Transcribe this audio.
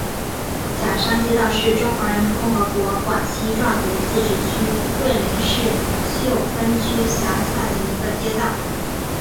甲山街道是中华人民共和国广西壮族自治区桂林市秀峰区下辖的一个街道。